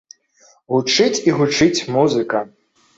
Гучыць і гучыць музыка.